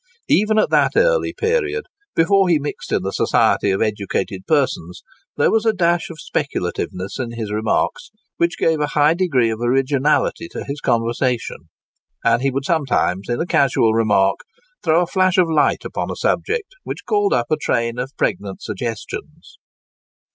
Even at that early period, before he mixed in the society of educated persons, there was a dash of speculativeness in his remarks, which gave a high degree of originality to his conversation; and he would sometimes, in a casual remark, throw a flash of light upon a subject, which called up a train of pregnant suggestions.